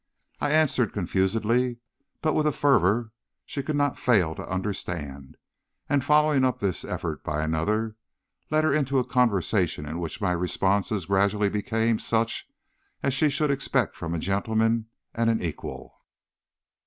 I answered confusedly, but with a fervor she could not fail to understand, and following up this effort by another, led her into a conversation in which my responses gradually became such as she should expect from a gentleman and an equal.